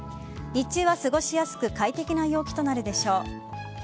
日中は過ごしやすく快適な陽気となるでしょう。